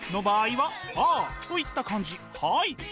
はい！